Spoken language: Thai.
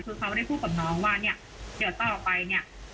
คือเขาได้พูดกับน้องว่าเนี่ยเดี๋ยวต่อไปเนี่ย